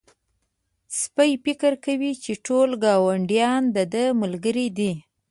سپی فکر کوي چې ټول ګاونډيان د ده ملګري دي.